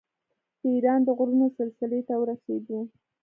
د ایران د غرونو سلسلې ته ورسېدو.